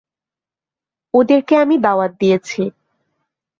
ওদেরকে আমি দাওয়াত দিয়েছি।